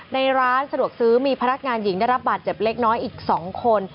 ในร้านสะดวกซื้อมีพนักงานหญิงได้รับบาดเจ็บเล็กน้อยอีก๒คน